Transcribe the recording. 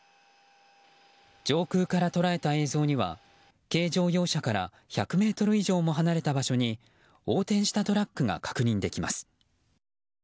上空から捉えた映像には軽乗用車から１００ｍ以上も離れた場所に横転したトラックが確認できます。